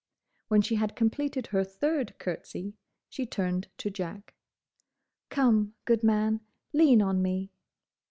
When she had completed her third curtsey, she turned to Jack. "Come, good man. Lean on me."